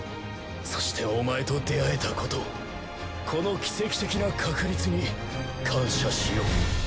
そしてお前と出会えたことをこの奇跡的な確率に感謝しよう。